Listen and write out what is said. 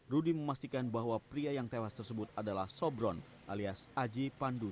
rudy memastikan bahwa pria yang tewas tersebut adalah sobron alias aji pandu